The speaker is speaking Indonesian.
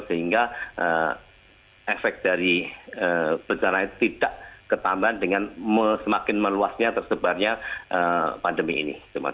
sehingga efek dari bencana itu tidak ketambahan dengan semakin meluasnya tersebarnya pandemi ini